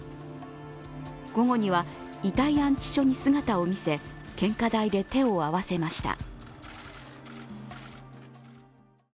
午後には遺体安置所に姿を見せ献花台で手を合わせました。